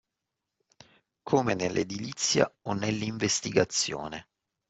Come nell’edilizia o nell’investigazione